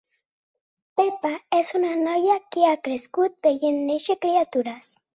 Pepa és una noia que ha crescut veient néixer criatures.